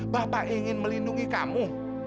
bapak ingin melindungi kamu